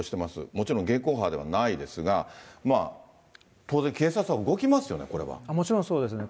もちろん現行犯ではないですが、当然、もちろんそうですね。